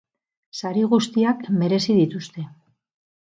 Sari guztiak merezi dituzte.